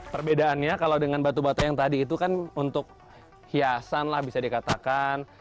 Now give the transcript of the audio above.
perbedaannya kalau dengan batu batu yang tadi itu kan untuk hiasan lah bisa dikatakan